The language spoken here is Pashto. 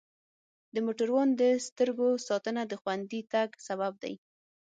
د موټروان د سترګو ساتنه د خوندي تګ سبب دی.